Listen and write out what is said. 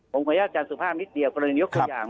ผมขออนุญาตอาจารย์สุภาพนิดเดียวกรณียกตัวอย่าง